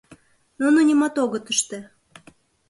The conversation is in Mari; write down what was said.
Нуно нимат огыт ыште.